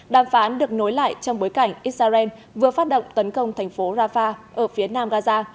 đàm phán được nối lại trong bối cảnh israel vừa phát động tấn công thành phố rafah ở phía nam gaza